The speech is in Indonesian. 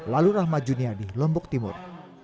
lalu rahmat junia di lombok timur